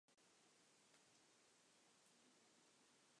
It is now a Lutheran church.